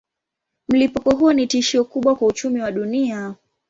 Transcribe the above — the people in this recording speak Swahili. Mlipuko huo ni tishio kubwa kwa uchumi wa dunia.